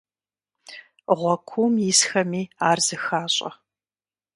Гъуэ куум исхэми ар зыхащӀэ.